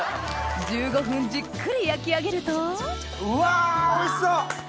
１５分じっくり焼き上げるとうわおいしそう！